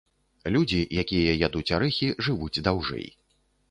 Людзі, якія ядуць арэхі, жывуць даўжэй.